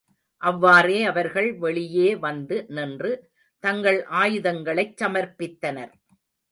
அவ்வாறே அவர்கள் வெளியே வந்து நின்று தங்கள் ஆயுதங்களைச் சமர்ப்பித்தனர்.